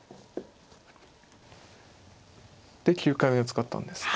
で９回目を使ったんですか。